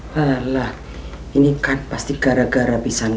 bapak juga musimy lihat yang ada di lokal